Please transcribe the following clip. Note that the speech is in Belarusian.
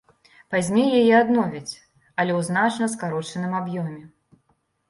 Пазней яе адновяць, але ў значна скарочаным аб'ёме.